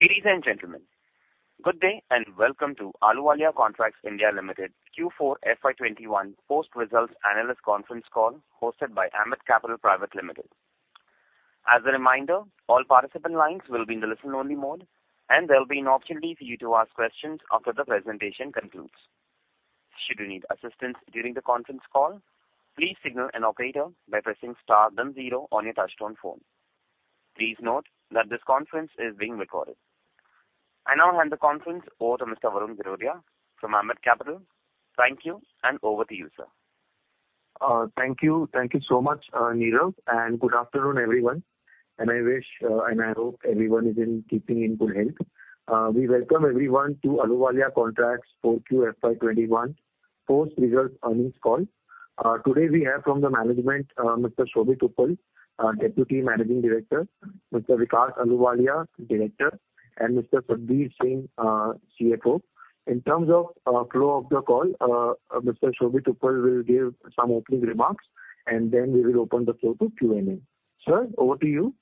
Ladies and gentlemen, good day, and welcome to Ahluwalia Contracts (India) Limited Q4 FY21 post-results analyst conference call, hosted by Ambit Capital Private Limited. As a reminder, all participant lines will be in the listen-only mode, and there'll be an opportunity for you to ask questions after the presentation concludes. Should you need assistance during the conference call, please signal an operator by pressing star then zero on your touchtone phone. Please note that this conference is being recorded. I now hand the conference over to Mr. Varun Ginodia from Ambit Capital. Thank you, and over to you, sir. Thank you. Thank you so much, Niraj, and good afternoon, everyone. I wish and I hope everyone is keeping in good health. We welcome everyone to Ahluwalia Contracts for Q4 FY 2021 post-results earnings call. Today we have from the management, Mr. Shobhit Uppal, Deputy Managing Director, Mr. Vikas Ahluwalia, Director, and Mr. Satbeer Singh, CFO. In terms of flow of the call, Mr. Shobhit Uppal will give some opening remarks, and then we will open the floor to Q&A. Sir, over to you.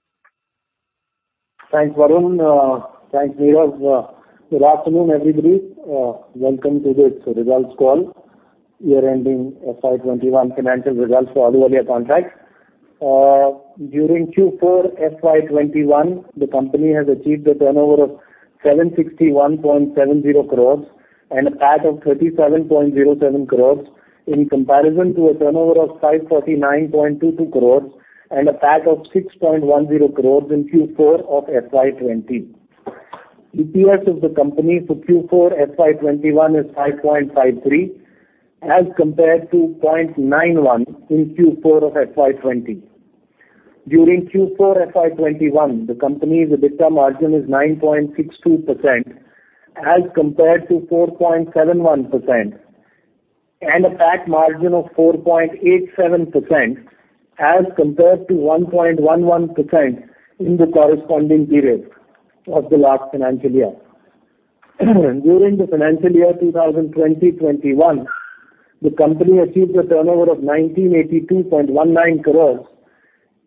Thanks, Varun. Thanks, Niraj. Good afternoon, everybody. Welcome to this results call, year-ending FY 2021 financial results for Ahluwalia Contracts. During Q4 FY 2021, the company has achieved a turnover of 761.70 crore and a PAT of 37.07 crore, in comparison to a turnover of 549.22 crore and a PAT of 6.10 crore in Q4 of FY 2020. EPS of the company for Q4 FY 2021 is 5.53, as compared to 0.91 in Q4 of FY 2020. During Q4 FY 2021, the company's EBITDA margin is 9.62%, as compared to 4.71%, and a PAT margin of 4.87%, as compared to 1.11% in the corresponding period of the last financial year. During the financial year 2021, the company achieved a turnover of 1,982.19 crores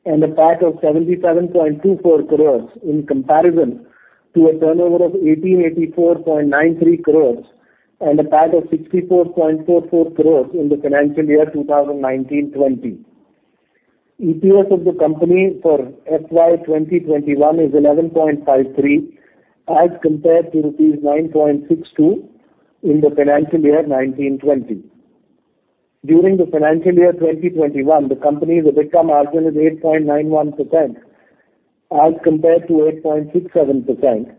and a PAT of 77.24 crores, in comparison to a turnover of 1,884.93 crores and a PAT of 64.44 crores in the financial year 2019-20. EPS of the company for FY 2021 is 11.53, as compared to rupees 9.62 in the financial year 2019-20. During the financial year 2021, the company's EBITDA margin is 8.91%, as compared to 8.67%,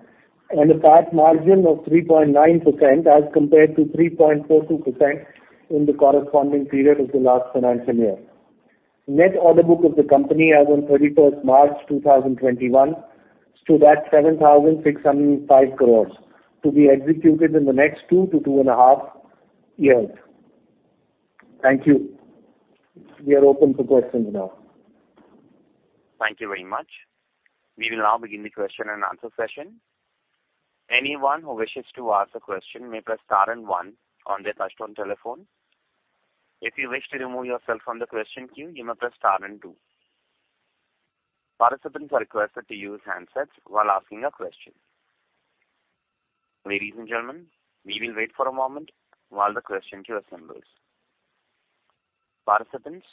and a PAT margin of 3.9%, as compared to 3.42% in the corresponding period of the last financial year. Net order book of the company as on 31 March 2021, stood at 7,605 crore, to be executed in the next 2-2.5 years. Thank you. We are open for questions now. Thank you very much. We will now begin the question and answer session. Anyone who wishes to ask a question may press star and one on their touchtone telephone. If you wish to remove yourself from the question queue, you may press star and two. Participants are requested to use handsets while asking a question. Ladies and gentlemen, we will wait for a moment while the question queue assembles. Participants,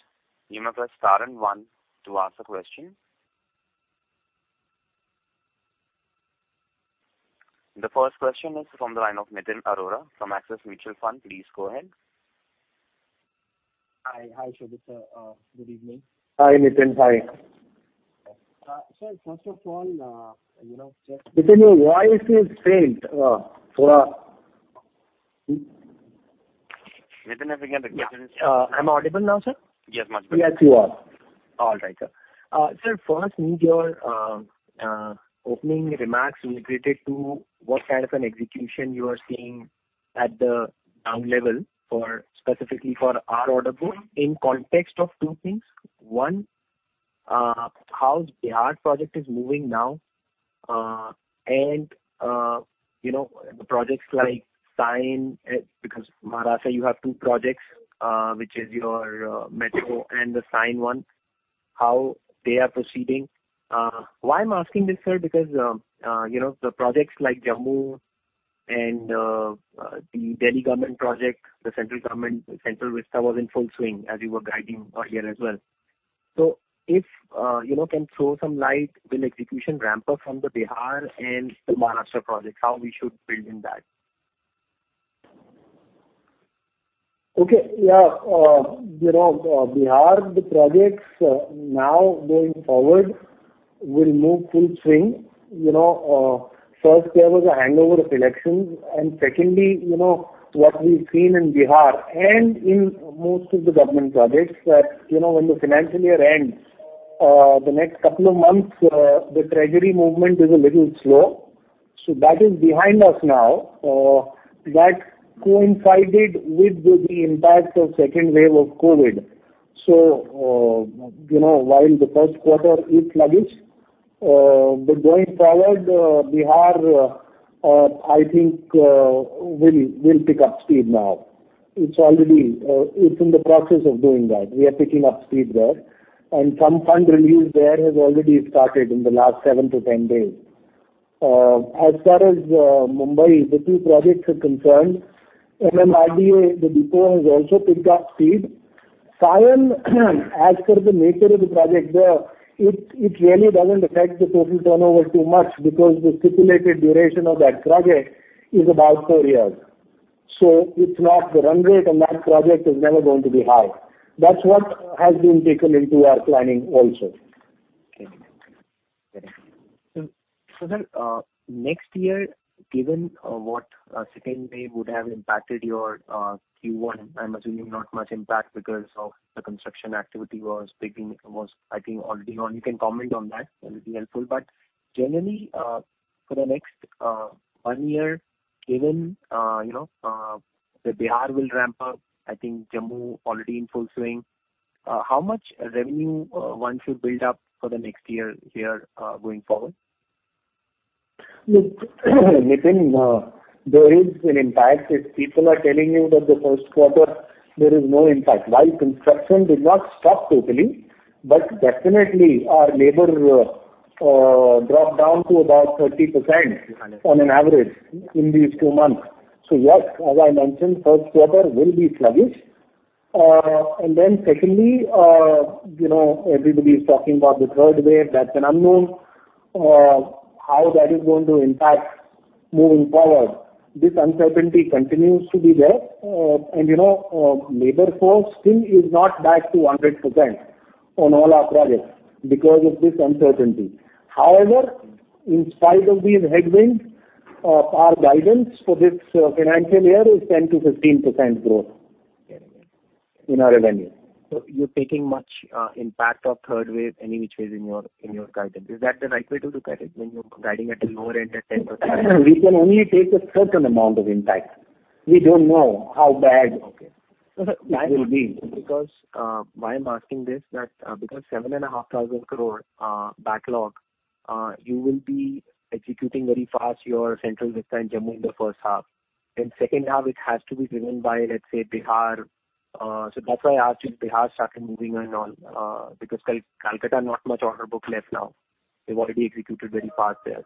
you may press star and one to ask a question. The first question is from the line of Nitin Arora from Axis Mutual Fund. Please go ahead. Hi, hi, Shobhit, sir, good evening. Hi, Nitin. Hi. Sir, first of all, you know, just- Nitin, your voice is faint. Nitin, if you get the question- Yeah. Am I audible now, sir? Yes, much better. Yes, you are. All right, sir. Sir, first in your opening remarks related to what kind of an execution you are seeing at the down level for, specifically for our order book in context of two things. One, how Bihar project is moving now, and, you know, projects like Sion, because Maharashtra, you have two projects, which is your metro and the Sion one, how they are proceeding? Why I'm asking this, sir, because, you know, the projects like Jammu and the Delhi government project, the central government, Central Vista was in full swing, as you were guiding earlier as well. So if, you know, can throw some light, will execution ramp up from the Bihar and the Maharashtra projects, how we should build in that? Okay. Yeah, you know, Bihar, the projects, now going forward will move full swing. You know, first there was a hangover of elections, and secondly, you know, what we've seen in Bihar and in most of the government projects that, you know, when the financial year ends, the next couple of months, the treasury movement is a little slow. So that is behind us now. That coincided with the impact of second wave of COVID. So, you know, while the first quarter is sluggish, but going forward, Bihar, I think, we'll pick up speed now. It's already, it's in the process of doing that. We are picking up speed there, and some fund release there has already started in the last 7-10 days. As far as Mumbai, the two projects are concerned, MMRDA, the depot, has also picked up speed. Sion, as per the nature of the project there, it really doesn't affect the total turnover too much because the stipulated duration of that project is about four years. So it's not the run rate, and that project is never going to be high. That's what has been taken into our planning also. Okay. So then, next year, given what the second wave would have impacted your Q1, I'm assuming not much impact because the construction activity was picking—was I think already on. You can comment on that, that would be helpful. But generally, for the next one year, given you know, the Bihar will ramp up, I think Jammu already in full swing, how much revenue one should build up for the next year, going forward? Look, Nitin, there is an impact. If people are telling you that the first quarter, there is no impact. While construction did not stop totally, but definitely our labor dropped down to about 30% on an average in these two months. So yes, as I mentioned, first quarter will be sluggish. And then secondly, you know, everybody is talking about the third wave. That's an unknown. How that is going to impact moving forward, this uncertainty continues to be there. And, you know, labor force still is not back to 100% on all our projects because of this uncertainty. However, in spite of these headwinds, our guidance for this financial year is 10%-15% growth- Okay. In our revenue. So you're taking much impact of third wave, any which way in your guidance. Is that the right way to look at it, when you're guiding at the lower end at 10%? We can only take a certain amount of impact. We don't know how bad that will be-- Because, why I'm asking this, that, because 7,500 crore backlog, you will be executing very fast your Central Vista, AIIMS Jammu in the first half. In second half, it has to be driven by, let's say, Bihar. So that's why I asked you, Bihar started moving and on, because Calcutta, not much order book left now. They've already executed very fast there.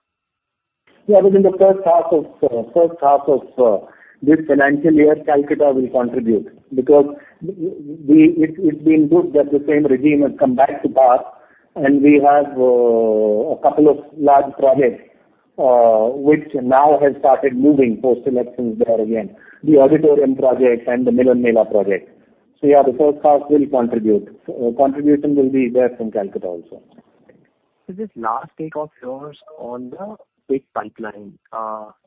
Yeah, within the first half of the first half of this financial year, Calcutta will contribute because it’s been good that the same regime has come back to power, and we have a couple of large projects which now have started moving post-elections there again, the auditorium project and the Milan Mela project. So yeah, the first half will contribute. Contribution will be there from Calcutta also. So this last take of yours on the big pipeline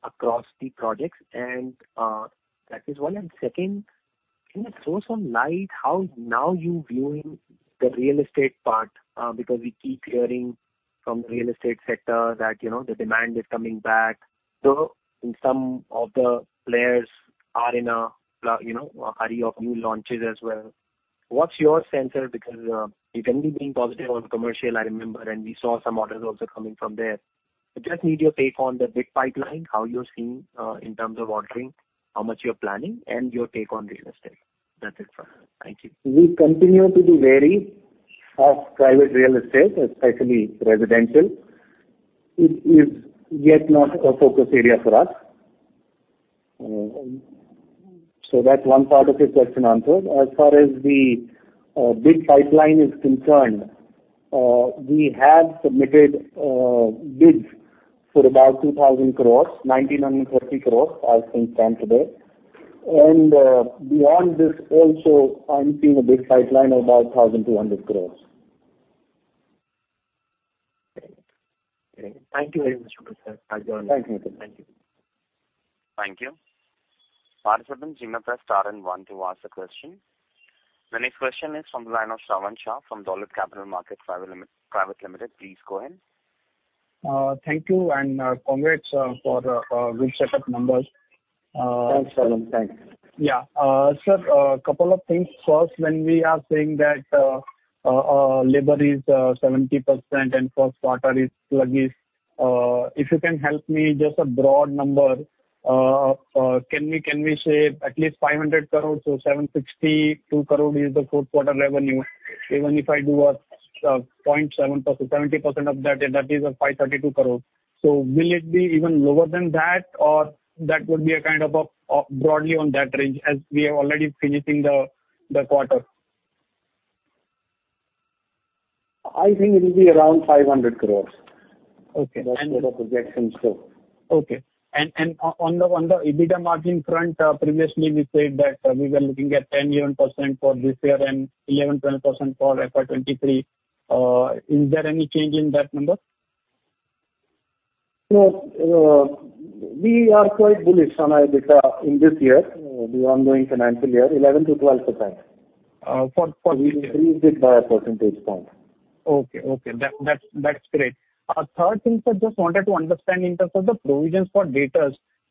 across the projects, and that is one. And second, can you throw some light how now you're viewing the real estate part? Because we keep hearing from the real estate sector that, you know, the demand is coming back. So and some of the players are in a, you know, a hurry of new launches as well. What's your sense? Because, you can be being positive on commercial, I remember, and we saw some orders also coming from there. I just need your take on the big pipeline, how you're seeing in terms of ordering, how much you're planning, and your take on real estate. That's it from me. Thank you. We continue to be very of private real estate, especially residential. It is yet not a focus area for us. So that's one part of your question answered. As far as the big pipeline is concerned, we have submitted bids for about 2,000 crore, 1,950 crore as in today. And beyond this also, I'm seeing a big pipeline of about 1,200 crore. Great. Great. Thank you very much, sir. Thank you. Thank you. Thank you. Participant, press star and one to ask the question. The next question is from the line of Shravan Shah from Dolat Capital Market Private Limited. Please go ahead. Thank you, and congrats for good set of numbers. Thanks, Shravan. Thanks. Yeah. Sir, couple of things. First, when we are saying that labor is 70% and first quarter is sluggish, if you can help me, just a broad number, can we say at least 500 crore, so 762 crore is the fourth quarter revenue? Even if I do a 0.7%, 70% of that, that is a 532 crore. So will it be even lower than that, or that would be a kind of a broadly on that range, as we are already finishing the quarter? I think it will be around 500 crore. Okay, and that's sort of the projection so... Okay. On the EBITDA margin front, previously we said that we were looking at 10%-11% for this year and 11%-10% for FY 2023. Is there any change in that number? We are quite bullish on our EBITDA in this year, the ongoing financial year, 11%-12%. For this year? We increased it by a percentage point. Okay, that's great. Third thing, sir, just wanted to understand in terms of the provisions for debt.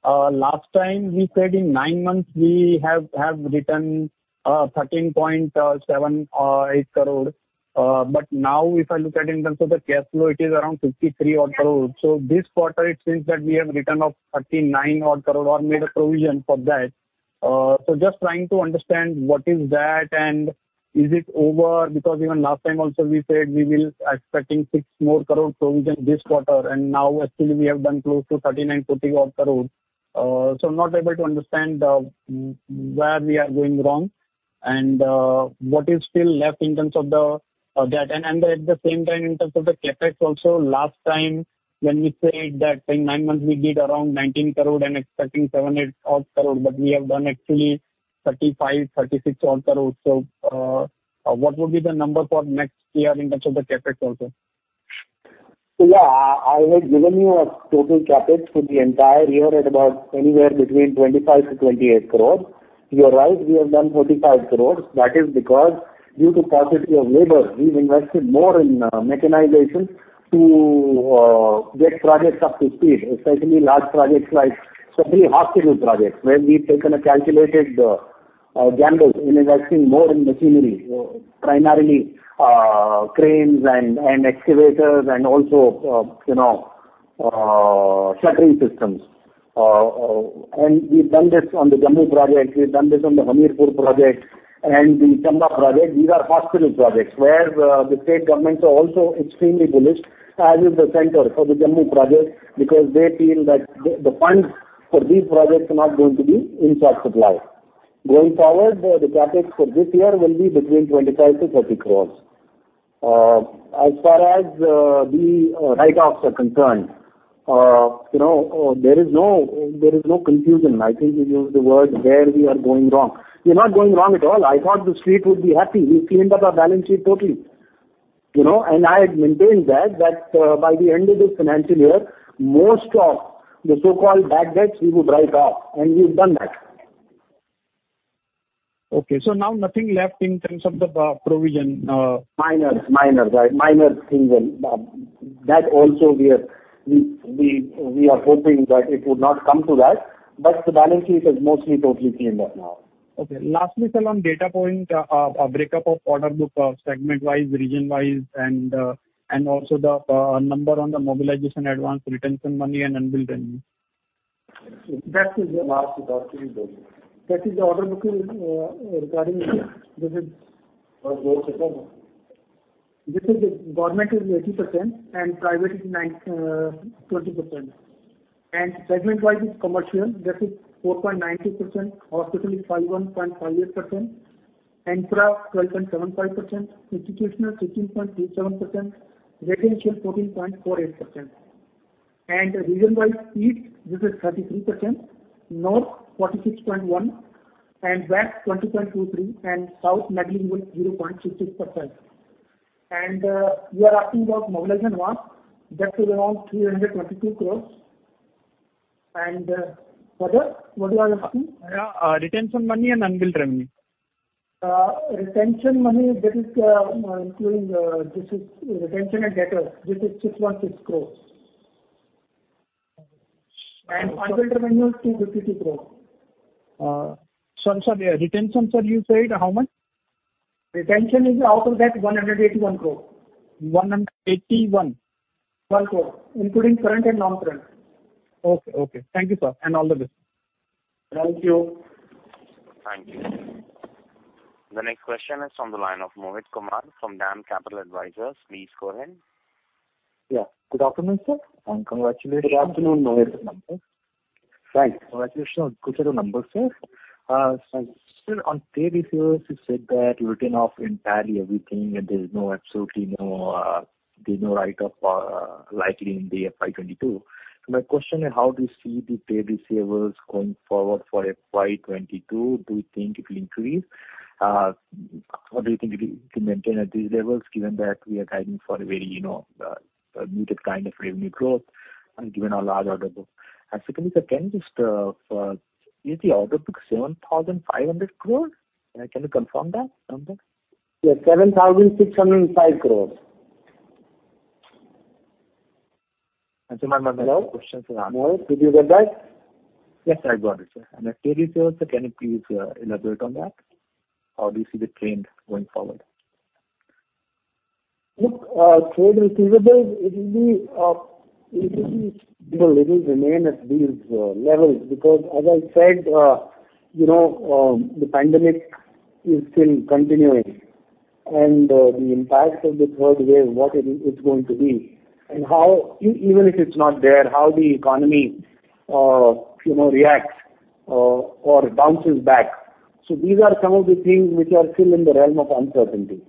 Last time we said in 9 months, we have written 13.78 crore. But now if I look at in terms of the cash flow, it is around 53 crore. So this quarter, it seems that we have written off 39 crore or made a provision for that. So just trying to understand what is that, and is it over? Because even last time also, we said we will expecting 6 crore provision this quarter, and now actually we have done close to 39-40 crore. So not able to understand where we are going wrong and what is still left in terms of the debt. And at the same time, in terms of the CapEx also, last time when we said that in nine months we did around 19 crore and expecting 7-8 crore, but we have done actually 35-36 crore. So, what would be the number for next year in terms of the CapEx also? So yeah, I had given you a total CapEx for the entire year at about anywhere between 25-28 crore. You're right, we have done 45 crores. That is because due to scarcity of labor, we've invested more in mechanization to get projects up to speed, especially large projects like especially hospital projects, where we've taken a calculated gamble in investing more in machinery, primarily cranes and excavators and also, you know, shuttering systems. And we've done this on the Jammu project, we've done this on the Hamirpur project and the Chamba project. These are hospital projects, where the state governments are also extremely bullish, as is the center for the Jammu project, because they feel that the funds for these projects are not going to be in short supply. Going forward, the CapEx for this year will be between 25-30 crore. As far as the write-offs are concerned, you know, there is no confusion. I think you used the word, where we are going wrong. We're not going wrong at all. I thought the street would be happy. We cleaned up our balance sheet totally, you know? And I had maintained that, by the end of this financial year, most of the so-called bad debts we would write off, and we've done that. Okay, so now nothing left in terms of the provision. Minor, minor, right. Minor things and that also we are hoping that it would not come to that, but the balance sheet is mostly totally cleaned up now. Okay. Lastly, sir, on data point, a break up of order book, segment-wise, region-wise, and also the number on the mobilization advance, retention money and unbilled revenue. That is the last part. That is the order book, regarding this is. For both segments. This is government is 80% and private is twenty percent. And segment-wise, it's commercial, that is 4.90%, hospital is 51.58%, infra 12.75%, institutional 16.37%, residential 14.48%. And region-wise, East, this is 33%, North 46.1%, and West 20.23%, and South negligible, 0.66%. And, you are asking about mobilization advance, that is around 322 crore. And, further, what you are asking? Retention Money and Unbilled Revenue. Retention money, that is, this is retention and debtors, this is INR 616 crore. Unbilled revenue is INR 252 crore. Sorry, sorry, retention, sir, you said how much? Retention is out of that 181 crore. 181? 1 crore, including current and non-current. Okay, okay. Thank you, sir, and all the best. Thank you. Thank you. The next question is on the line of Mohit Kumar from DAM Capital Advisors. Please go ahead. Yeah. Good afternoon, sir, and congratulations. Good afternoon, Mohit. Thanks. Congratulations on good set of numbers, sir. So still on trade receivables, you said that you've written off entirely everything and there's no, absolutely no, there's no write-off, likely in the FY 2022. My question is: How do you see the trade receivables going forward for FY 2022? Do you think it will increase? Or do you think it will be to maintain at these levels, given that we are guiding for a very, you know, muted kind of revenue growth and given our large order book? And secondly, sir, can you just, is the order book 7,500 crore? Can you confirm that number? Yeah, 7,605 crores. My questions are answered. Mohit, did you get that? Yes, I got it, sir. And the trade receivables, sir, can you please elaborate on that? How do you see the trend going forward? Look, trade receivables, it will be, you know, it will remain at these levels, because as I said, you know, the pandemic is still continuing, and the impact of the third wave, what it's going to be, and how, even if it's not there, how the economy, you know, reacts or bounces back. So these are some of the things which are still in the realm of uncertainty.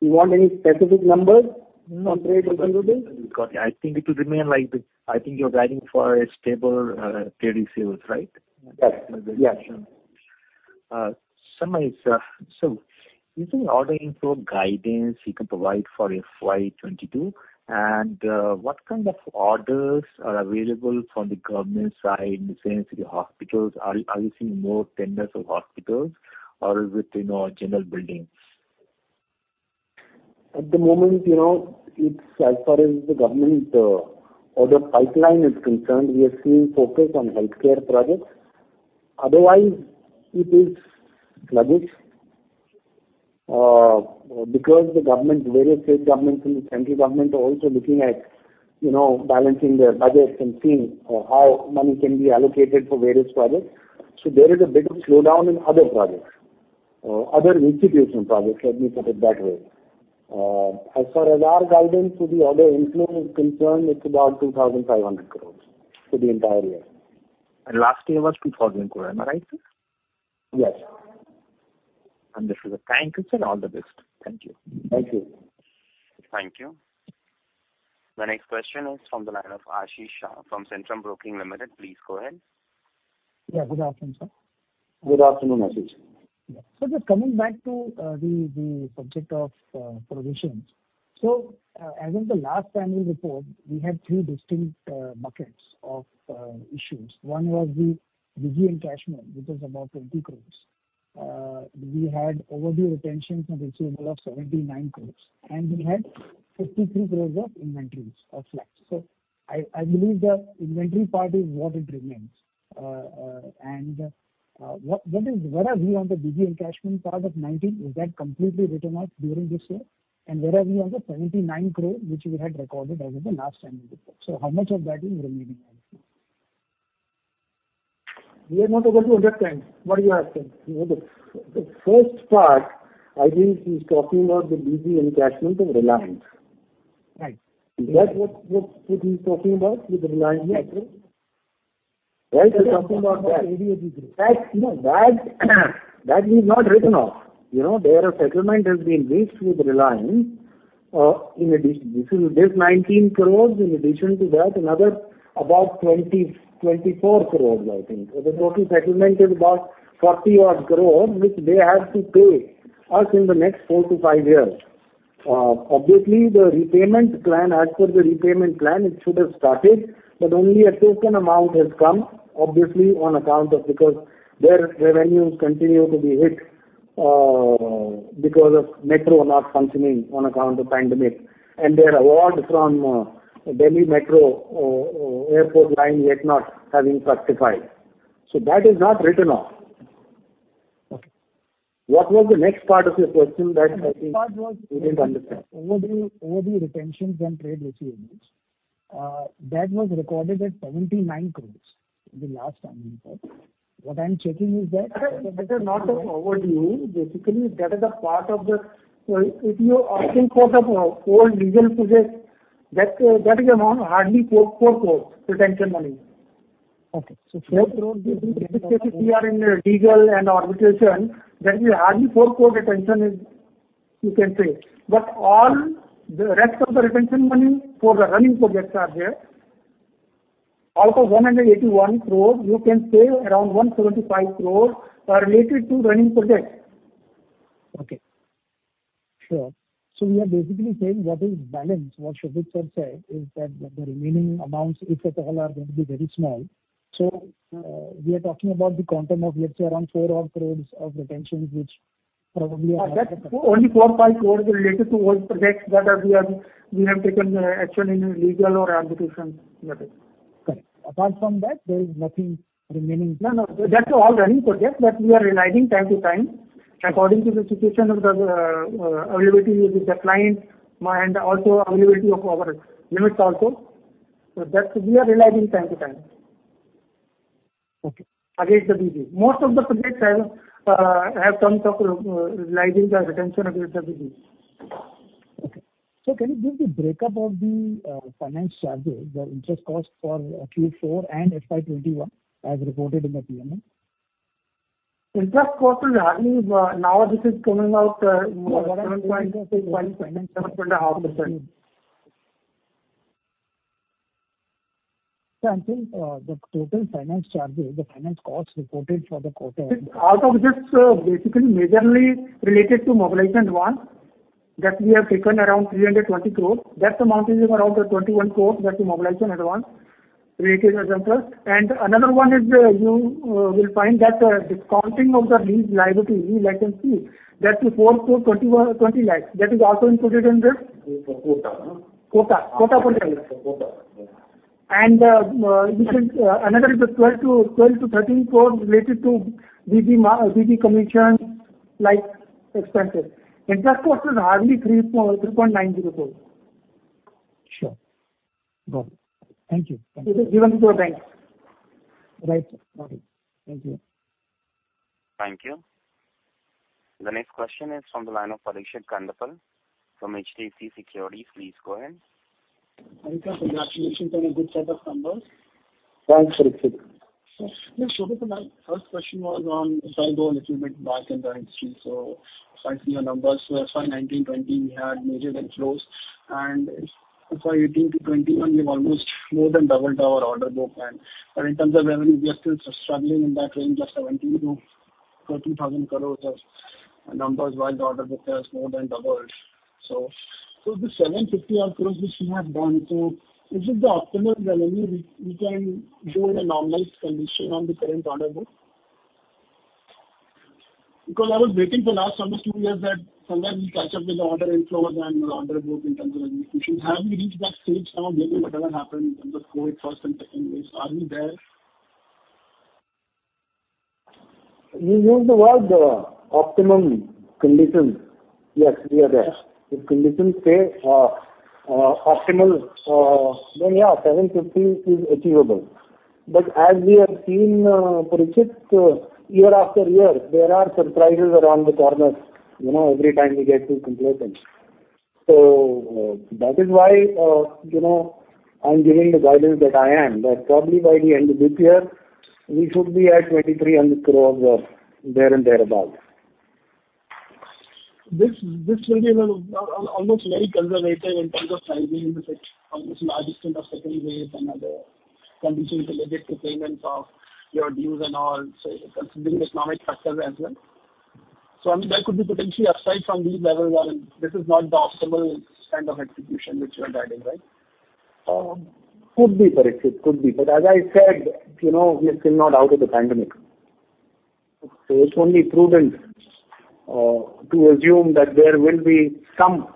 You want any specific numbers on trade receivables? Got it. I think it will remain like this. I think you're guiding for a stable, trade receivables, right? Yes. Yeah. So, is there any ordering for guidance you can provide for FY 2022? And, what kind of orders are available from the government side, in the sense, the hospitals, are you seeing more tenders of hospitals or with, you know, general buildings? At the moment, you know, it's as far as the government order pipeline is concerned, we are seeing focus on healthcare projects. Otherwise, it is sluggish because the government, various state governments and the central government are also looking at, you know, balancing their budgets and seeing how money can be allocated for various projects. So there is a bit of slowdown in other projects, other institutional projects, let me put it that way. As far as our guidance to the order inflow is concerned, it's about 2,500 crores for the entire year. Last year was 2,000 crore, am I right, sir? Yes. Wonderful. Thank you, sir, and all the best. Thank you. Thank you. Thank you. The next question is from the line of Ashish Shah from Centrum Broking Limited. Please go ahead. Yeah, good afternoon, sir. Good afternoon, Ashish. Yeah. So just coming back to the subject of provisions. So, as in the last annual report, we had three distinct buckets of issues. One was the BG encashment, which was about 20 crores. We had overdue retentions and disagreements of 79 crores, and we had 53 crores of inventories of flats. So I believe the inventory part is what remains. And, where are we on the BG encashment part of 19? Is that completely written off during this year? And where are we on the 79 crore, which we had recorded as of the last annual report? So how much of that is remaining? We are not able to understand what you are asking. You know, the first part, I think he's talking about the BG encashment of Reliance. Right. Is that what he's talking about, with the Reliance Metro? Yes. Right, he's talking about that. Yes. No, that is not written off. You know, there a settlement has been reached with Reliance, in addition, this is nineteen crores, in addition to that, another about twenty-four crores, I think. So the total settlement is about 40-odd crore, which they have to pay us in the next 4-5 years. Obviously, the repayment plan, as per the repayment plan, it should have started, but only a token amount has come, obviously, on account of because their revenues continue to be hit, because of Metro not functioning on account of pandemic, and their award from Delhi Metro airport line yet not having certified. So that is not written off. Okay. What was the next part of your question that I think- The next part was- We didn't understand. Overdue, overdue retentions and trade receivables. That was recorded at 79 crore in the last annual report. What I'm checking is that- That is not an overdue. Basically, that is a part of the--So if you're asking for the old legal project, that, that is amount hardly INR 44 crores retention money. Okay, so four- Because we are in a legal and arbitration, that is hardly INR 4 crore retention, you can say. But all the rest of the retention money for the running projects are there. Out of 181 crore, you can say around 175 crore are related to running projects. Okay. Sure. So we are basically saying what is balanced, what Shobhit sir said, is that the remaining amounts, if at all, are going to be very small. So, we are talking about the quantum of, let's say, around 4 crore of retention, which probably- That's only 4.5 crores related to old projects, whether we have taken action in legal or arbitration matters. Correct. Apart from that, there is nothing remaining? No, no, that's all running projects, but we are realizing time to time, according to the situation of the availability with the client and also availability of our limits also. So that we are realizing time to time. Okay. Against the BG. Most of the projects have, have terms of realizing the retention against the BG. Okay. So can you give the breakup of the finance charges, the interest cost for Q4 and FY 21, as reported in the P&L? Interest cost is hardly, now this is coming out, 7.5%. So I think, the total finance charges, the finance costs reported for the quarter-- Out of this, basically majorly related to mobilization advance, that we have taken around 320 crore. That amount is around 21 crore, that's the mobilization advance rate as a interest. And another one is, you, will find that, discounting of the lease liability, lease liability, that's the 4 crore 21,20 lakhs. That is also included in this. Kota. Kota. Kota for 10 years. Kota, yeah. This is another, the 12-13 crore related to BG commission-like expenses. Interest cost is hardly 3.90 crores rupees. Sure. Got it. Thank you. It is given to the banks. Right, sir. Got it. Thank you. Thank you. The next question is from the line of Parikshit Kandpal from HDFC Securities. Please go ahead. Hi, Shobhit, congratulations on a good set of numbers. Thanks, Parikshit. Sir, Shobhit, my first question was on-- If I go a little bit back in the history, so I see your numbers. So FY 2019, 2020, we had major inflows, and FY 2018 to 2021, we've almost more than doubled our order book. And, but in terms of revenue, we are still struggling in that range of 17,000 crore-20,000 crore as numbers, while the order book has more than doubled. So, so the 750 odd crore which we have done, so is it the optimum revenue we, we can do in a normalized condition on the current order book? Because I was waiting for last almost two years that sometime we'll catch up with the order inflows and the order book in terms of execution. Have we reached that stage now, maybe whatever happened in the COVID first and second waves, are we there? You use the word, optimum condition. Yes, we are there. If conditions stay, optimal, then, yeah, 750 is achievable. But as we have seen, Parikshit, year-after-year, there are surprises around the corner, you know, every time we get to completion. So, that is why, you know, I'm giving the guidance that I am, that probably by the end of this year, we should be at 2,300 crores or there and thereabout. This will be almost very conservative in terms of sizing in the face of this large second wave and other conditions related to payments of your dues and all, so considering economic factors as well. So I mean, there could be potentially upside from these levels, and this is not the optimal kind of execution which you are guiding, right? Could be, Parikshit, could be. But as I said, you know, we are still not out of the pandemic. So it's only prudent to assume that there will be some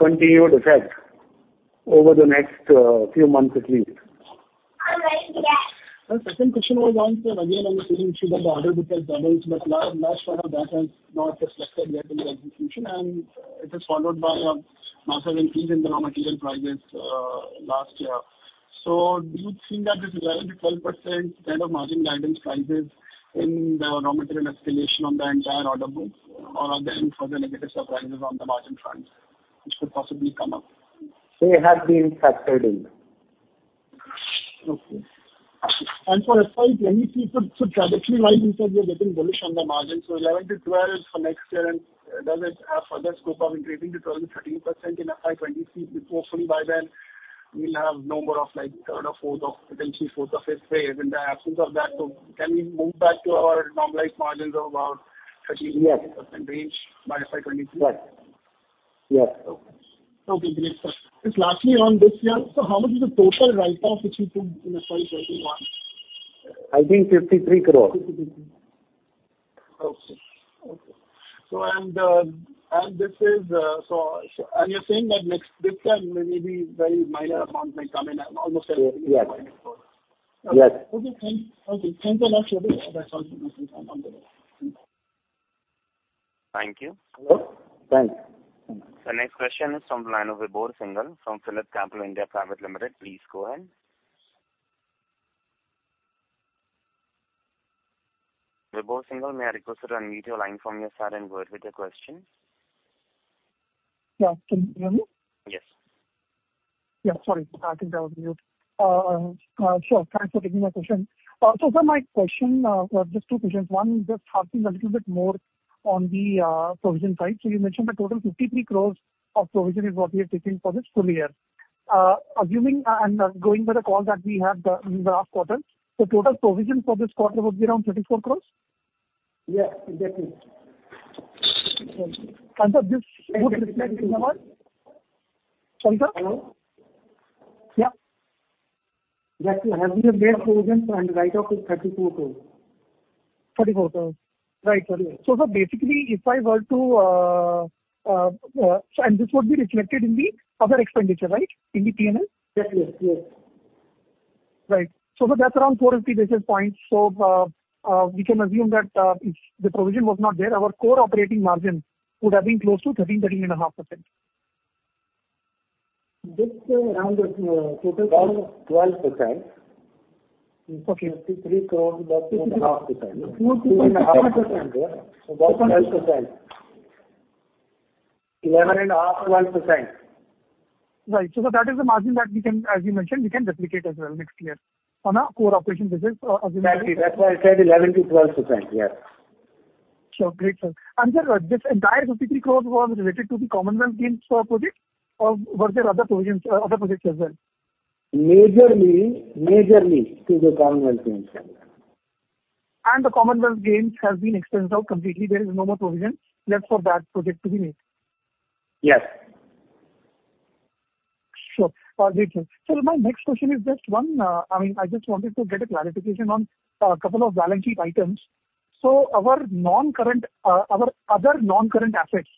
continued effect over the next few months at least. Second question was on, again, on the same issue that the order book has doubled, but large part of that has not reflected yet in the execution, and it is followed by a massive increase in the raw material prices last year. So do you think that this 11%-12% kind of margin guidance prices in the raw material escalation on the entire order book or are there any further negative surprises on the margin front, which could possibly come up? They have been factored in. Okay. And for FY 2023, so trajectory-wise, you said you're getting bullish on the margin, so 11%-12% for next year, and does it have further scope of increasing to 12%-13% in FY 2023? Hopefully, by then, we'll have no more of, like, third or fourth or potentially fourth or fifth wave. In the absence of that, so can we move back to our normalized margins of about 13%-% range by FY 2023? Yes. Yes. Okay, great. Just lastly, on this year, so how much is the total write-off which you took in FY 2021? I think 53 crore. INR 53 crore. Okay. So, and this is, so—and you're saying that next—this time, maybe very minor amount may come in and almost everything- Yes. Okay. Yes. Okay, thanks. Okay, thanks a lot, Shailesh. That's all from my end. Thank you. Hello? Thanks. The next question is from the line of Vaibhav Singhal from PhillipCapital (India) Private Limited. Please go ahead. Vaibhav Singhal, may I request you to unmute your line from your side and go ahead with your question? Yeah. Can you hear me? Yes. Yeah, sorry. I think I was mute. Sure. Thanks for taking my question. So sir, my question, just two questions. One, just harping a little bit more on the provision side. So you mentioned the total 53 crore of provision is what we are taking for this full year. Assuming, and going by the call that we had, in the last quarter, the total provision for this quarter would be around 34 crore? Yes, exactly. And, sir, this would reflect in our-- Sir? Hello? Yeah. That will have been made provision and write-off is 34 crore. 34 crore. Right. Got it. So sir, basically, if I were to... And this would be reflected in the other expenditure, right? In the P&L? Yes, yes, yes. Right. So that's around 4 or 5 basis points. So, we can assume that, if the provision was not there, our core operating margin would have been close to 13, 13.5%. Just around 12, 12%. Okay. INR 53 crore, that's 12.5%. 14.5%. Yeah. About 12%. 11.5-12%. Right. So that is the margin that we can, as you mentioned, we can replicate as well next year on our core operation business, obviously- That's why I said 11%-12%, yes. Sure. Great, sir. And sir, this entire 53 crore was related to the Commonwealth Games project, or were there other provisions, other projects as well? Majorly, majorly to the Commonwealth Games. The Commonwealth Games has been expensed out completely. There is no more provision left for that project to be made? Yes. Sure. Great, sir. Sir, my next question is just one. I mean, I just wanted to get a clarification on a couple of balance sheet items. So our non-current, our other non-current assets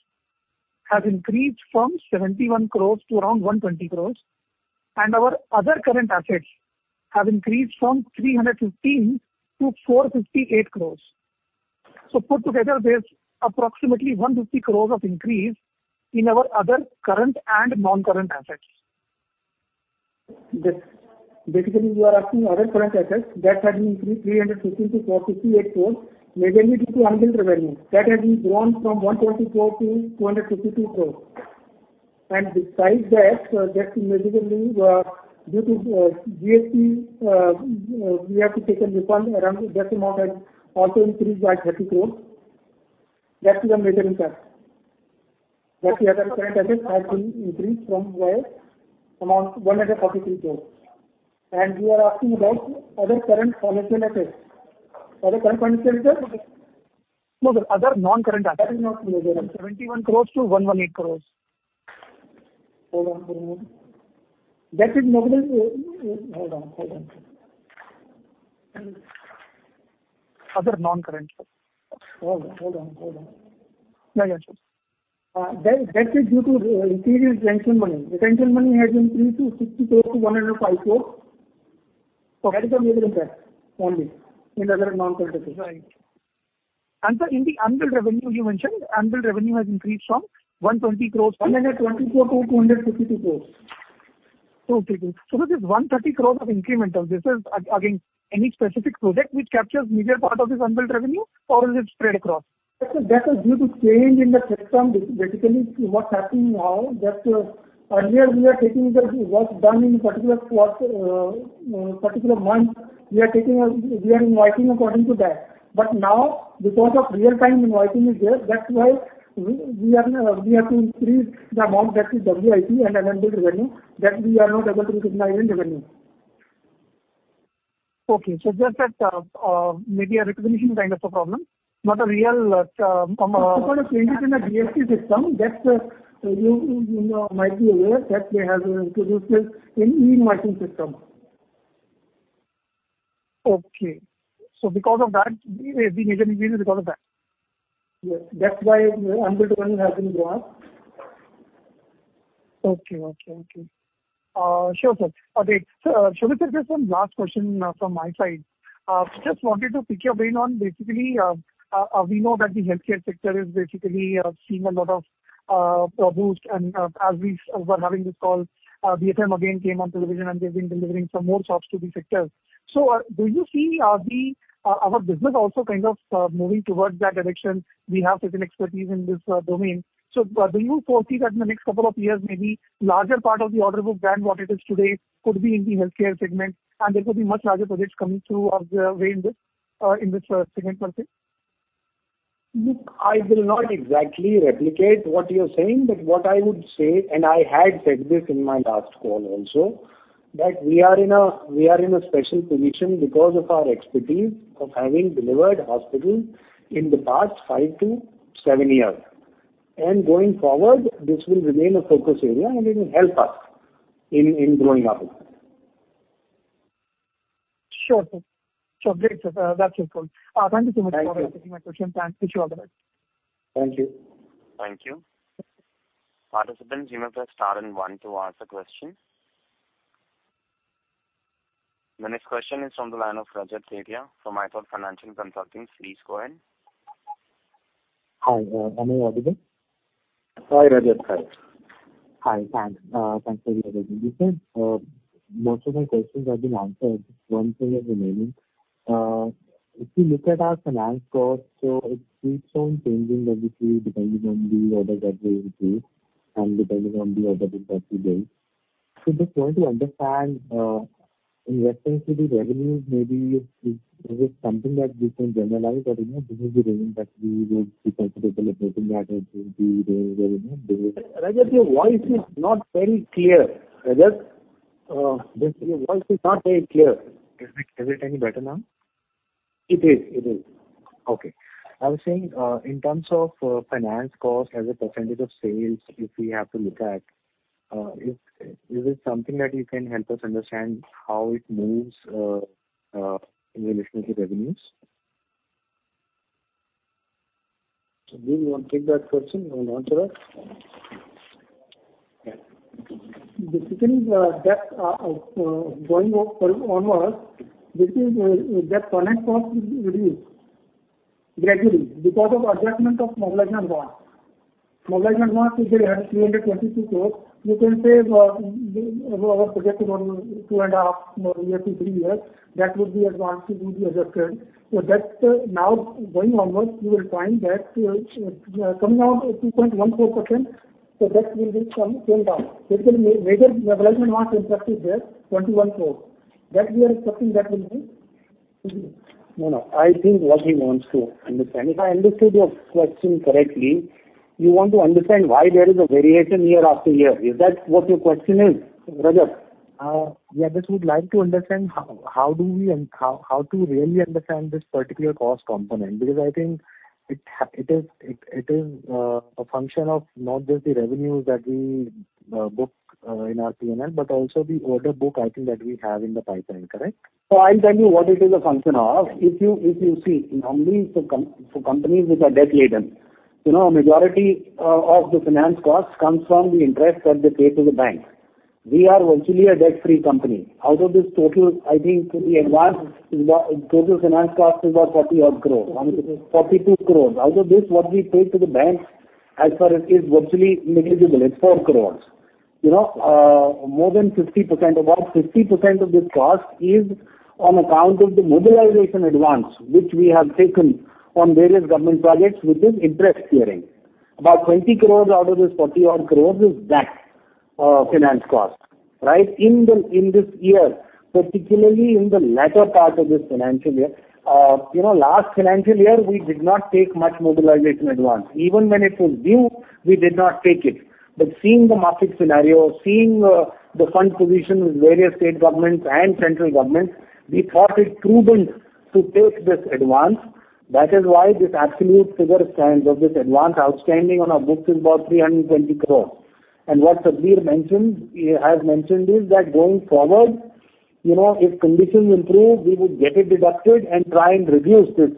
have increased from 71 crores to around 120 crores, and our other current assets have increased from 315 crores-458 crores. So put together, there's approximately 150 crores of increase in our other current and non-current assets. Yes. Basically, you are asking other current assets that has increased 315-458 crores, mainly due to unbilled revenue. That has been grown from 120 crores-252 crores. And besides that, that's majorly due to GST, we have to take a refund around that amount has also increased by 30 crores. That is a major impact. But the other current assets have been increased from around 143 crores. And you are asking about other current financial assets, other current financial assets? No, sir, other non-current assets. That is not available. 71 crore-118 crore. Hold on, hold on. That is mobilization. Hold on, hold on. Other non-current? Hold on, hold on, hold on. Yeah, yeah, sure. That is due to the previous retention money. Retention money has increased to 60 crore-105 crore. So that is the major impact only in other non-current assets. And sir, in the unbilled revenue you mentioned, unbilled revenue has increased from 120 crore-252 crore. Okay, good. So this is 130 crore of incremental. This is against any specific project which captures major part of this unbilled revenue or is it spread across? That is due to change in the system. Basically, what's happening now is that earlier we are taking the work done in particular quarter, particular month, we are taking—we are invoicing according to that. But now, because of real-time invoicing is there, that's why we are, we have to increase the amount that is WIP and unbilled revenue, that we are now able to recognize the revenue. Okay, so just that, maybe a recognition kind of a problem, not a real—because of changes in the GST system, that's, you know, might be aware that they have introduced this in e-invoicing system. Okay. So because of that, the major increase is because of that? Yes, that's why the unbilled revenue has been grown. Okay, okay. Sure, sir. Okay. So, Shobhit, sir, just one last question from my side. Just wanted to pick your brain on basically, we know that the healthcare sector is basically seeing a lot of boost. And, as we were having this call, The PM again came on to television, and they've been delivering some more sops to the sector. So, do you see the our business also kind of moving towards that direction? We have certain expertise in this domain. So, do you foresee that in the next couple of years, maybe larger part of the order book than what it is today, could be in the Healthcare segment, and there could be much larger projects coming through way in this in this segment, sir? Look, I will not exactly replicate what you're saying, but what I would say, and I had said this in my last call also, that we are in a special position because of our expertise of having delivered hospital in the past 5-7 years. And going forward, this will remain a focus area, and it will help us in growing up. Sure, sir. So great, sir. That's your call. Thank you so much. Thank you. For taking my question. Thanks. Wish you all the best. Thank you. Thank you. Participants, you may press star and one to ask a question. The next question is from the line of Rajat Setiya from iThought Financial Consulting. Please go ahead. Hi, am I audible? Hi, Rajat. Hi. Hi, thanks. Thanks for your attention. Listen, most of my questions have been answered, just one thing is remaining. If you look at our finance cost, so it keeps on changing every three, depending on the order that we receive and depending on the order that we place. So just want to understand, in reference to the revenues, maybe if this is something that we can generalize or, you know, this is the revenue that we would be comfortable in looking at, or it will be the revenue? Rajat, your voice is not very clear. Rajat, your voice is not very clear. Is it, is it any better now? It is, it is. Okay. I was saying, in terms of finance cost as a percentage of sales, if we have to look at in relation to revenues? Do you want to take that question and answer that? Yeah. Basically, going onwards, this is that finance cost will reduce gradually because of adjustment of mobilization advance. Mobilization advance, we have 322 crore. You can say, over our project over 2.5 years to 3 years, that would be advance to be adjusted. So that's now going onwards, you will find that coming down to 2.14%, so that will be some paid down. Basically, major mobilization advance impacted there, 21 crore. That we are expecting that will be No, no, I think what he wants to understand. If I understood your question correctly, you want to understand why there is a variation year after year. Is that what your question is, Rajat? Yeah, just would like to understand how to really understand this particular cost component? Because I think it is a function of not just the revenues that we book in our PNL, but also the order book, I think, that we have in the pipeline, correct? So I'll tell you what it is a function of. If you see, normally for companies which are debt-laden, you know, a majority of the finance costs comes from the interest that they pay to the bank. We are virtually a debt-free company. Out of this total, I think the advance total finance cost is about 40-odd crores, 42 crores. Out of this, what we paid to the banks, as far as is virtually negligible, it's 4 crores. You know, more than 50%, about 50% of this cost is on account of the mobilization advance, which we have taken on various government projects, which is interest-clearing. About 20 crores out of this 40-odd crores is that finance cost, right? In this year, particularly in the latter part of this financial year, you know, last financial year, we did not take much mobilization advance. Even when it was due, we did not take it. But seeing the market scenario, seeing the fund position with various state governments and central government, we thought it prudent to take this advance. That is why this absolute figure stands of this advance outstanding on our books is about 320 crore. And what Satbeer mentioned, he has mentioned is that going forward, you know, if conditions improve, we would get it deducted and try and reduce this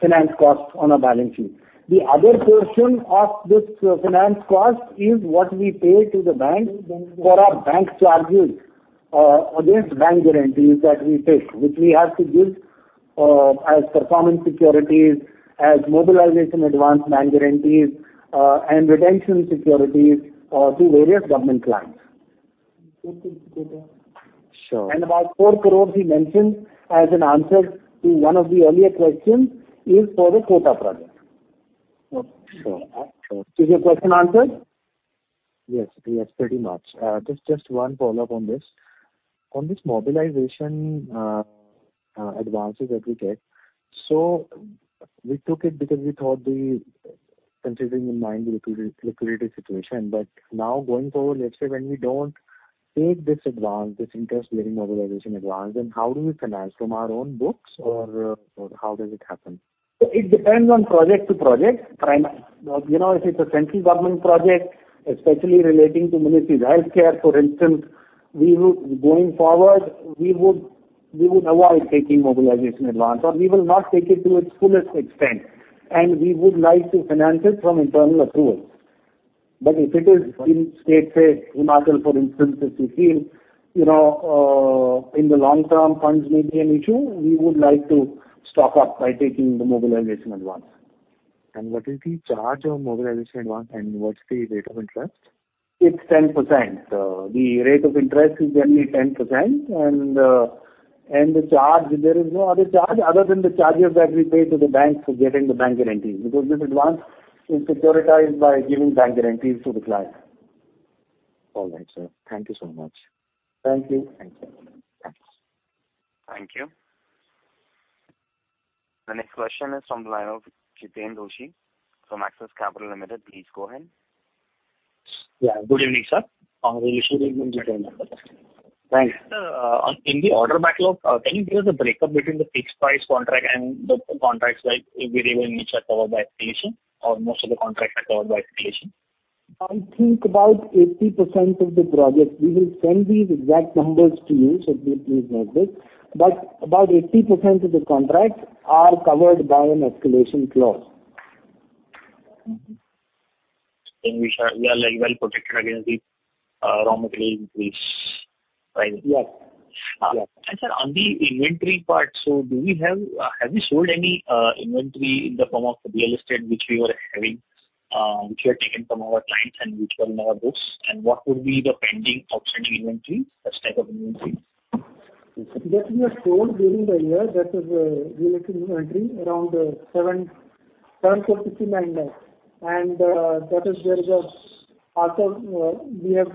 finance cost on our balance sheet. The other portion of this finance cost is what we pay to the bank for our bank charges against bank guarantees that we take, which we have to give as performance securities, as mobilization advance bank guarantees, and retention securities to various government clients. Sure. About 4 crore he mentioned as an answer to one of the earlier questions is for the Kota project. Sure. Is your question answered? Yes, yes, pretty much. Just one follow-up on this. On this mobilization advances that we get, so we took it because we thought the considering in mind liquidity situation, but now going forward, let's say when we don't take this advance, this interest-bearing mobilization advance, then how do we finance? From our own books or how does it happen? It depends on project-to-project. You know, if it's a central government project, especially relating to Ministry of Health Care, for instance, we would, going forward, we would avoid taking mobilization advance, or we will not take it to its fullest extent, and we would like to finance it from internal accruals. But if it is in state, say, Arunachal, for instance, if we feel, you know, in the long term, funds may be an issue, we would like to stock up by taking the mobilization advance. What is the charge of mobilization advance, and what's the rate of interest? It's 10%. The rate of interest is only 10%, and the charge, there is no other charge other than the charges that we pay to the bank for getting the bank guarantees, because this advance is securitized by giving bank guarantees to the client. All right, sir. Thank you so much. Thank you. Thank you. Thank you. The next question is from the line of Jiten Doshi from Axis Capital Limited. Please go ahead. Yeah, good evening, sir. Thanks. In the order backlog, can you give us a break-up between the fixed price contract and the contracts like variable, which are covered by escalation, or most of the contracts are covered by escalation? I think about 80% of the projects. We will send these exact numbers to you, so please note this. But about 80% of the contracts are covered by an escalation clause. We are, like, well protected against the raw material increase, right? Yes. Yes. Sir, on the inventory part, so do we have you sold any, inventory in the form of real estate which we were having, which we have taken from our clients and which were in our books? What would be the pending outstanding inventory, such type of inventory? That we have sold during the year, that is, real estate inventory, around 7.89 crores. And that is where the also we have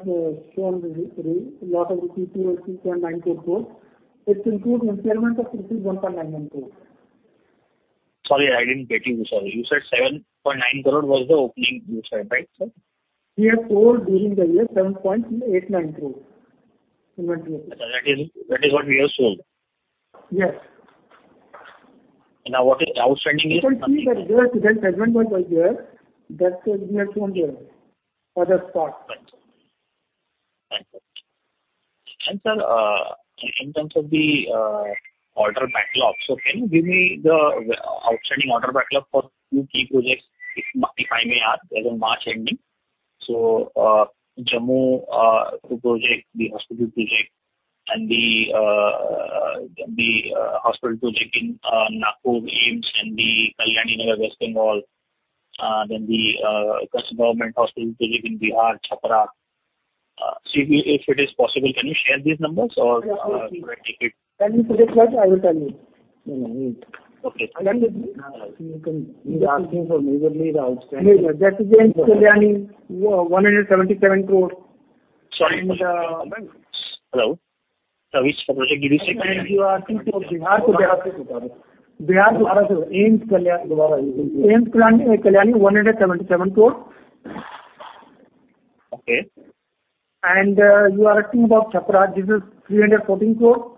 shown the lot of the PPE to INR 9 crore, which include impairment of 1.99 crores. Sorry, I didn't get you, sir. You said 7.9 crore was the opening you said, right, sir? We have sold during the year 7.89 crore inventory. That is, that is what we have sold? Yes. And now, what is the outstanding is? You can see that there was INR 7.9 crore there, that we have shown here for the stock. Thank you. And, sir, in terms of the order backlog, so can you give me the outstanding order backlog for a few key projects, if I may ask, as on March ending? So, Jammu, two project, the hospital project, and the hospital project in Nagpur, AIIMS, and the Kalyani, West Bengal, then the government hospital project in Bihar, Chhapra. See, if it is possible, can you share these numbers or could I take it? Tell me for this one. I will tell you. Okay. He's asking for maybe the outstanding. That is in Kalyani, 177 crore. Sorry, hello? Bihar to Bihar, AIIMS, Kalyani. AIIMS, Kalyani, 177 crores. Okay. You are talking about Chhapra, this is 314 crore,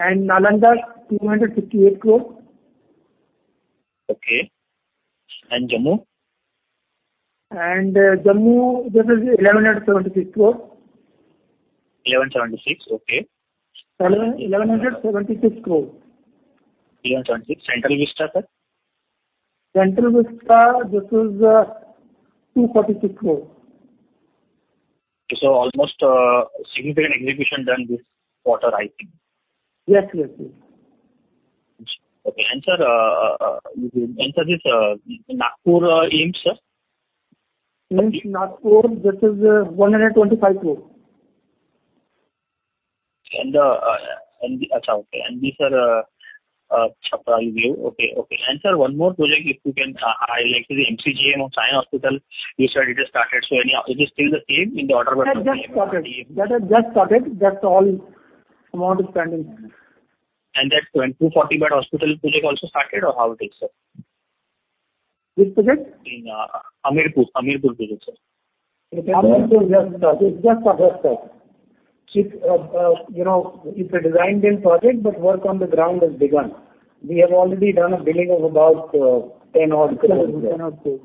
and Nalanda, 268 crore. Okay. And Jammu? Jammu, this is 1,176 crore. 1,176, okay. 1,176 crore. 1,176. Central Vista, sir? Central Vista, this is 246 crore. So, almost significant execution done this quarter, I think. Yes, yes, yes. Okay. And, sir, this Nagpur AIIMS, sir? AIIMS Nagpur, this is 125 crore. Acha, okay. And the, sir, Chhapra you gave. Okay, okay. And, sir, one more project, if you can, I'd like to the MCGM and Sion Hospital, you said it has started. So any- is it still the same in the order backlog? That just started. That has just started. That's all, amount is pending. That 24-bed hospital project also started or how it is, sir? Which project? In Hamirpur, Hamirpur project, sir. Hamirpur is just, it's just a cluster. It, you know, it's a designed-in project, but work on the ground has begun. We have already done a billing of about 10 crore there. Crores or INR 12 crores.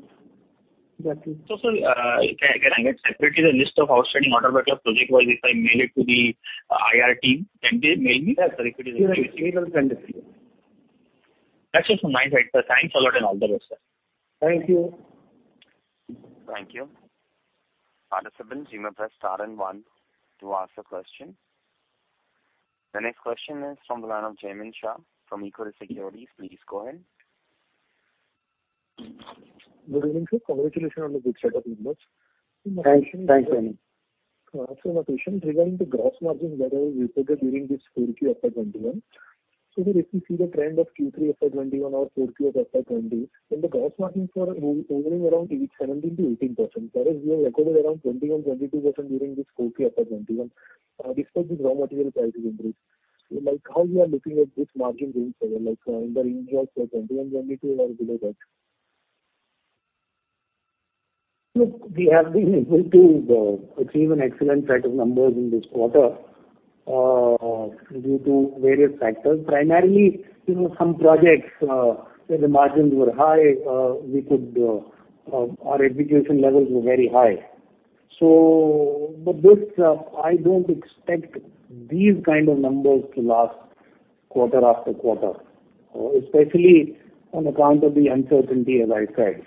Exactly. So sir, can I get separately the list of outstanding order book project-wise, if I mail it to the IR team, can they mail me? Yes. So if it is- It will be sent to you. That's it from my side, sir. Thanks a lot, and all the best, sir. Thank you. Thank you. Participants, you may press star and one to ask a question. The next question is from the line of Jaimin Shah from Equirus Securities. Please go ahead. Good evening, sir. Congratulations on the good set of numbers. Thanks. Thanks, Jaimin. So my question regarding the gross margin that was reported during this fourth quarter 2021. So if we see the trend of Q3 of 2021 or Q4 of 2020, then the gross margins are moving around 17%-18%. Whereas we have recorded around 21%-22% during this fourth quarter 2021, despite the raw material prices increase. So like, how we are looking at this margin going forward, like, in the range of 21%-22% or below that? Look, we have been able to achieve an excellent set of numbers in this quarter due to various factors. Primarily, you know, some projects where the margins were high, we could, our execution levels were very high. So but this, I don't expect these kind of numbers to last quarter-after-quarter, especially on account of the uncertainty, as I said.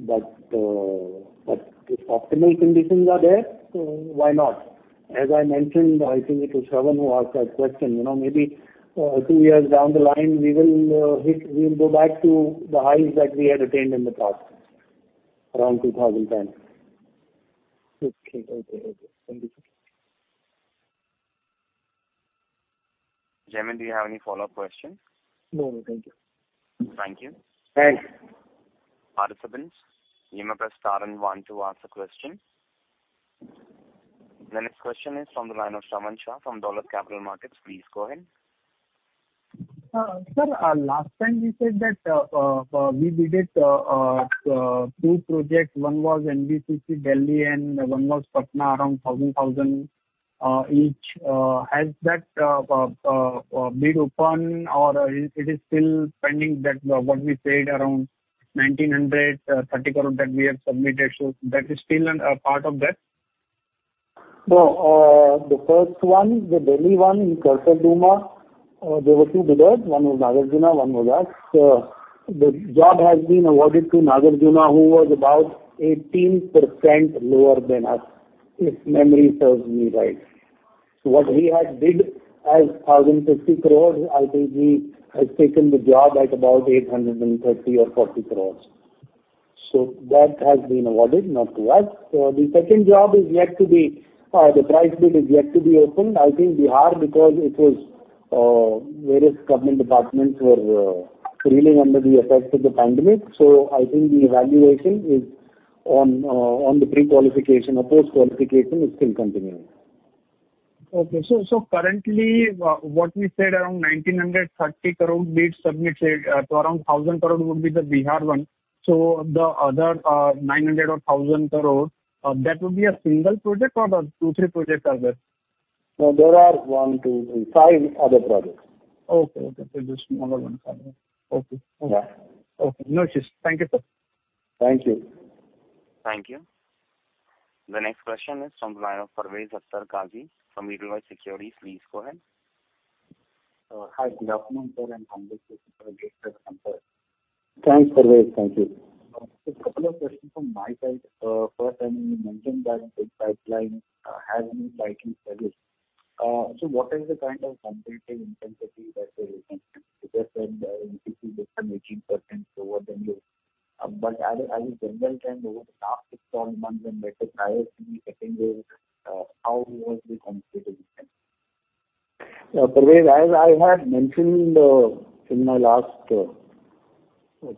But, but if optimal conditions are there, why not? As I mentioned, I think it was Shravan who asked that question, you know, maybe two years down the line, we will go back to the highs that we had attained in the past, around 2010. Okay. Thank you, sir. Jaimin, do you have any follow-up questions? No, no. Thank you. Thank you. Thanks. Participants, you may press star and one to ask a question. The next question is from the line of Shravan Shah from Dolat Capital Markets. Please go ahead. Sir, last time you said that we bid two projects. One was NBCC, Delhi, and one was Patna, around 1,000 crore, 1,000 crore each. Has that bid opened or is it still pending, that what we said around 1,930 crore that we have submitted, so that is still a part of that? No. The first one, the Delhi one in Karol Bagh, there were two bidders. One was Nagarjuna, one was us. The job has been awarded to Nagarjuna, who was about 18% lower than us, if memory serves me right. So what we had bid as 1,050 crores, I think he has taken the job at about 830 or 840 crores. So that has been awarded, not to us. The second job is yet to be, the price bid is yet to be opened, I think, Bihar, because it was, various government departments were, reeling under the effects of the pandemic. So I think the evaluation is on, on the pre-qualification or post-qualification is still continuing. Okay. So currently, what we said, around 1,930 crore bids submitted, so around 1,000 crore would be the Bihar one. So the other, 900 or 1,000 crore, that would be a single project or 2 or 3 projects are there? No, there are 1, 2, 3, 5 other projects. Okay, okay. So just smaller one. Okay. Yeah. Okay. No issues. Thank you, sir. Thank you. Thank you. The next question is from the line of Parvez Akhtar Qazi from Edelweiss Securities. Please go ahead. Hi, good afternoon, sir, and congratulations for a great quarter, sir. Thanks, Parvez. Thank you. So a couple of questions from my side. First, when you mentioned that the pipeline has been slightly sluggish, so what is the kind of competitive intensity that you are looking at? You just said, NBCC is some 18% lower than you. But as a general trend, over the last 6-12 months whether better prices are getting there, how has the competitive intensity? Parvez, as I had mentioned, in my last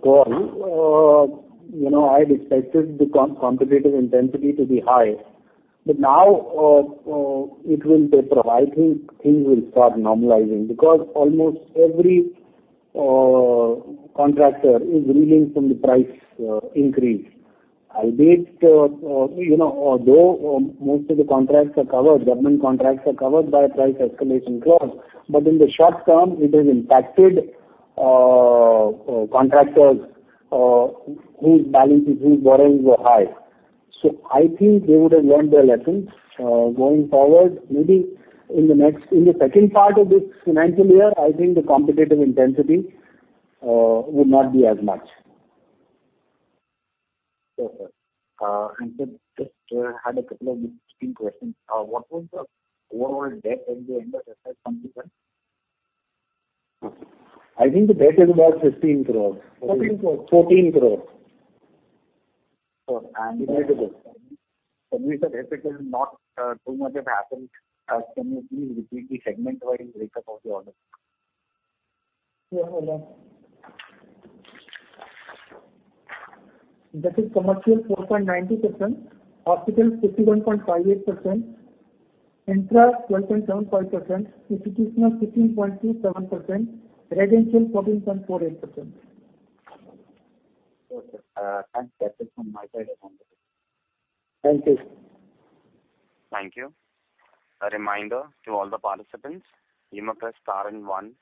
call, you know, I had expected the competitive intensity to be high, but now, it will taper off. I think things will start normalizing, because almost every contractor is reeling from the price increase. Albeit, you know, although, most of the contracts are covered, government contracts are covered by a price escalation clause, but in the short term, it has impacted contractors whose balances, whose borrowings were high. So I think they would have learned their lesson. Going forward, maybe in the next, in the second part of this financial year, I think the competitive intensity would not be as much. Okay. Just had a couple of quick questions. What was the overall debt at the end of this last quarter? I think the debt is about 15 crores. Fourteen crores. Fourteen crores. It is not too much have happened. Can you please repeat the segment-wise breakup of the orders? Sure, hold on. That is commercial, 4.90%; hospitals, 51.58%. Infra 12.75%, institutional 15.27%, residential 14.48%. Okay, thanks. That's it from my side. Thank you. Thank you. A reminder to all the participants, you may press star and one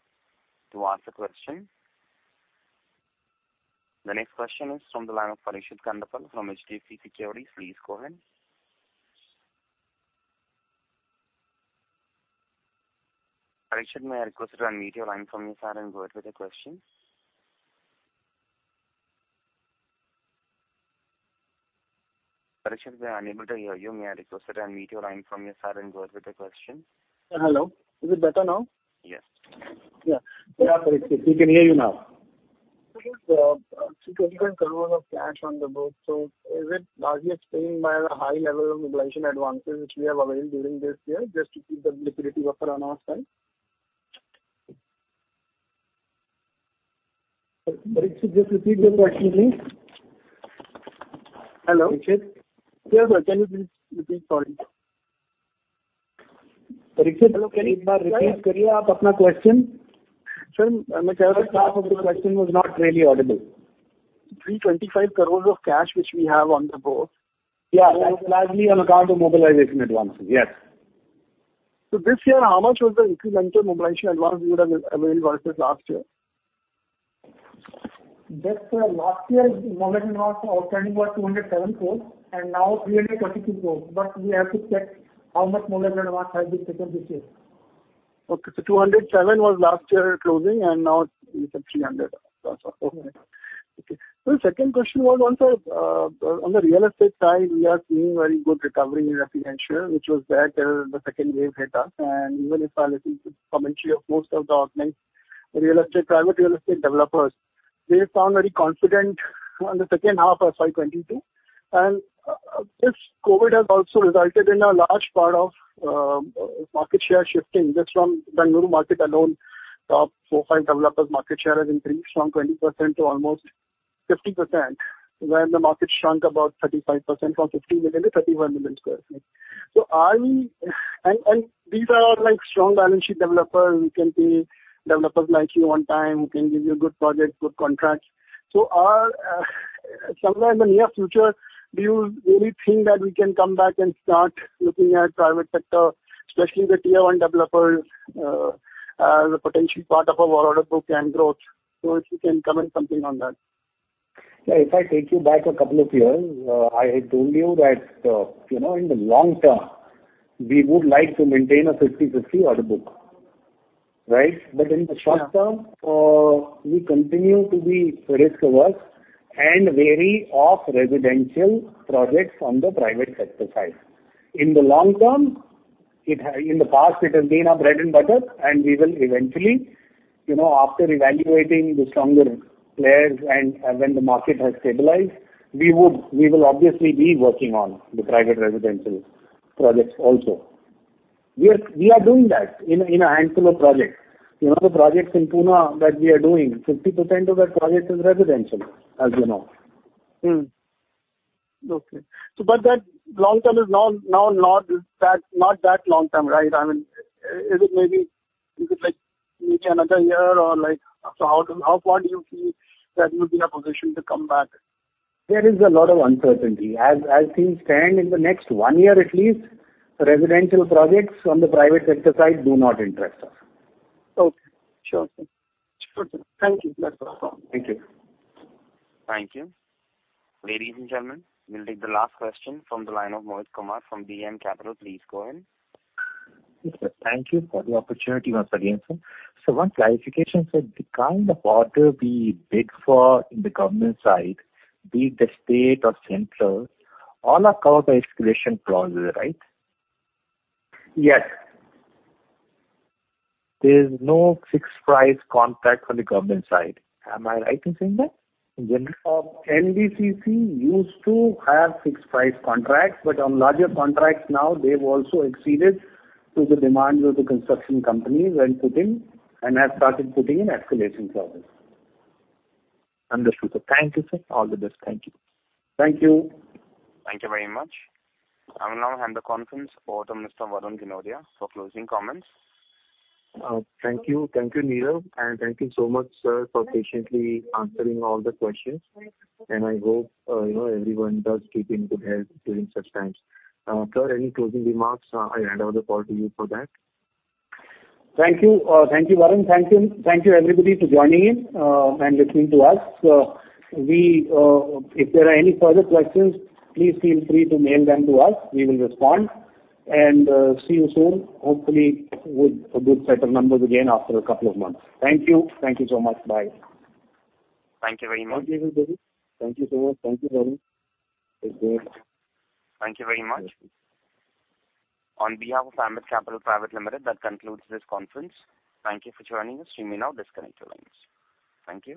to ask a question. The next question is from the line of Parikshit Kandpal from HDFC Securities. Please go ahead. Parikshit, may I request you to unmute your line from your side and go ahead with the question? Parikshit, we are unable to hear you. May I request that you unmute your line from your side and go ahead with the question? Hello. Is it better now? Yes. Yeah. Yeah, Parikshit, we can hear you now. So INR 25 crore of cash on the books, so is it largely explained by the high level of mobilization advances which we have availed during this year, just to keep the liquidity buffer on our side? Parikshit, just repeat the question, please. Hello? Yes, sir, can you please repeat? Sorry. Parikshit, can you please question. Sir, I'm sorry, half of the question was not really audible. 325 crore of cash, which we have on the books. Yeah, largely on account of mobilization advances, yes. So this year, how much was the equivalent of mobilization advance you would have availed versus last year? Just, last year, mobilization outstanding was 207 crores, and now 332 crores. But we have to check how much mobilization advance has been taken this year. Okay, so 207 was last year closing, and now it's at 300. That's okay. Okay. So the second question was on the real estate side, we are seeing very good recovery in residential, which was back till the second wave hit us. And even if I listen to commentary of most of the organized real estate, private real estate developers, they sound very confident on the second half of FY 2022. And this COVID has also resulted in a large part of market share shifting. Just from Bengaluru market alone, top 4, 5 developers market share has increased from 20% to almost 50%, when the market shrunk about 35% from 50 million to 31 million sq ft. So are we and these are all, like, strong balance sheet developers. We can pay developers like you on time, who can give you good projects, good contracts. So are somewhere in the near future, do you really think that we can come back and start looking at private sector, especially the tier one developers, as a potential part of our order book and growth? So if you can comment something on that. Yeah, if I take you back a couple of years, I told you that, you know, in the long term, we would like to maintain a 50/50 order book, right? Yeah. But in the short term, we continue to be risk-averse and wary of residential projects on the private sector side. In the long term, it, in the past, it has been our bread and butter, and we will eventually, you know, after evaluating the stronger players and when the market has stabilized, we would, we will obviously be working on the private residential projects also. We are, we are doing that in a handful of projects. You know, the projects in Pune that we are doing, 50% of that project is residential, as you know. Okay. So but that long term is now, now, not that, not that long term, right? I mean, is it maybe, is it like maybe another year or like. So how, how far do you feel that you'll be in a position to come back? There is a lot of uncertainty. As things stand, in the next one year at least, residential projects on the private sector side do not interest us. Okay. Sure, sir. Sure, sir. Thank you. That's all. Thank you. Thank you. Ladies and gentlemen, we'll take the last question from the line of Mohit Kumar from DAM Capital. Please go ahead. Yes, sir. Thank you for the opportunity once again, sir. So one clarification, sir: The kind of order we bid for in the government side, be it the state or central, all are covered by escalation clauses, right? Yes. There's no fixed price contract on the government side. Am I right in saying that, in general? NBCC used to have fixed price contracts, but on larger contracts now, they've also acceded to the demands of the construction companies and have started putting in escalation clauses. Understood, sir. Thank you, sir. All the best. Thank you. Thank you. Thank you very much. I will now hand the conference over to Mr. Varun Ginodia for closing comments. Thank you. Thank you, Nirav, and thank you so much, sir, for patiently answering all the questions. I hope, you know, everyone does keep in good health during such times. Sir, any closing remarks, I hand over the call to you for that. Thank you. Thank you, Varun. Thank you, thank you everybody for joining in, and listening to us. We-- If there are any further questions, please feel free to mail them to us. We will respond, and, see you soon, hopefully with a good set of numbers again after a couple of months. Thank you. Thank you so much. Bye. Thank you very much. Thank you, everybody. Thank you so much. Thank you, Varun. Take care. Thank you very much. On behalf of Ambit Capital Private Limited, that concludes this conference. Thank you for joining us. You may now disconnect your lines. Thank you.